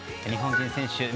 日本人選手